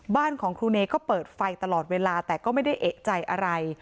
บ้านของครูเนยก็เปิดไฟตลอดเวลาแต่ก็ไม่ได้เอกใจอะไร